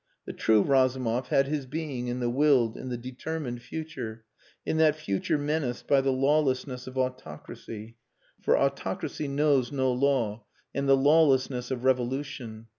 The true Razumov had his being in the willed, in the determined future in that future menaced by the lawlessness of autocracy for autocracy knows no law and the lawlessness of revolution.